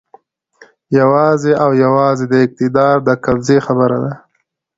یوازې او یوازې د اقتدار د قبضې خبره ده.